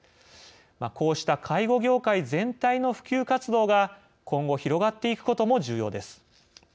こうした介護業界全体の普及活動が今後、広がっていくことも重要です。